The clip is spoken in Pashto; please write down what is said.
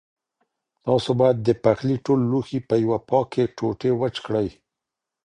تاسو باید د پخلي ټول لوښي په یوې پاکې ټوټې وچ کړئ.